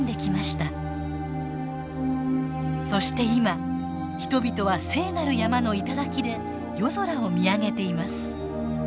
そして今人々は聖なる山の頂で夜空を見上げています。